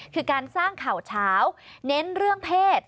คือการสร้างข่าวเช้าเน้นเรื่องเพศ